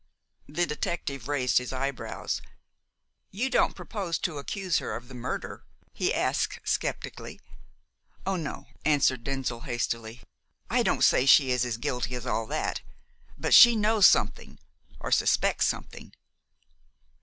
The detective raised his eyebrows. "You don't propose to accuse her of the murder?" he asked sceptically. "Oh, no!" answered Denzil hastily. "I don't say she is as guilty as all that; but she knows something, or suspects something."